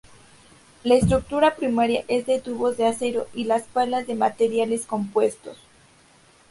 La estructura primaria es de tubos de acero y las palas de materiales compuestos.